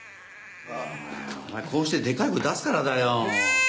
こうしてでかい声出すからだよ。